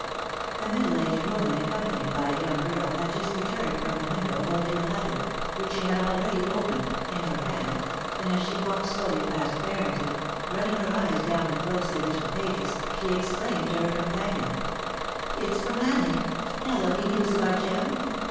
A middle aged woman accompanied by a young girl had just returned from the window holding a letter, which she had already opened, in her hand, and as she walked slowly 332 POLICY AND PASSION. past Barrington, running her eyes down the closely written pages, she exclaimed to her companion :' It's from Annie ! Now there'll be news of our Jem